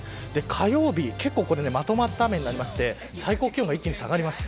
火曜日まとまった雨になりまして最高気温が一気に下がります。